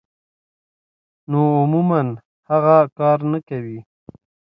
نو عموماً هغه کار نۀ کوي -